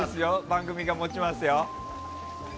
番組が持ちますよ。